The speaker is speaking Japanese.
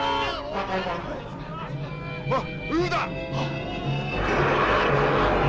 あっウーだ！